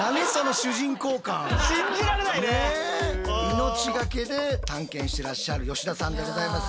命がけで探検してらっしゃる吉田さんでございます。